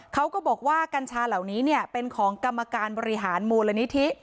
เขาก็บอกว่ากัญชาเหล่านี้เป็นของกรรมการบริหารมูลนิธิ